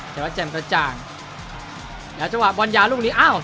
เฉพาะแจ่มกระจ่างอย่างเฉพาะบรรยาลูกนี้อ้าว